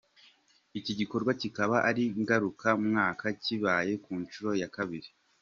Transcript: Iki gikorwa kikaba ari ngaruka mwaka, kibaye ku nshuro ya kabiri.